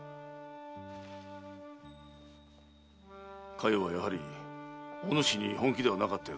佳代はやはりおぬしに本気ではなかったようだな。